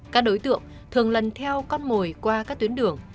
các đối tượng thường lần theo con mồi qua các tuyến đường